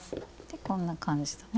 こんな感じでね。